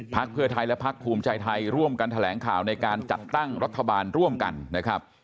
เพื่อไทยและพักภูมิใจไทยร่วมกันแถลงข่าวในการจัดตั้งรัฐบาลร่วมกันนะครับ